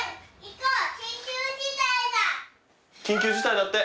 緊急事態だって！